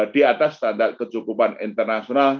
di atas standar kecukupan internasional